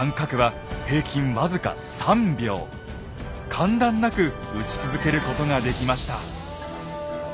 間断なく撃ち続けることができました。